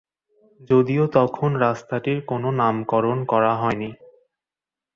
যদিও তখন রাস্তাটির কোন নামকরণ করা হয়নি।